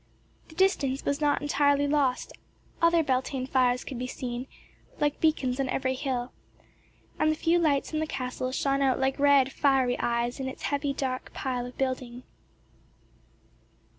The distance was not entirely lost; other Beltane fires could be seen, like beacons, on every hill, and the few lights in the castle shone out like red fiery eyes in its heavy dark pile of building.